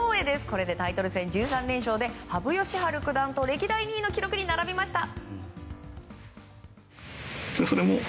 これでタイトル戦１３連勝で羽生善治九段と歴代２位の記録に並びました。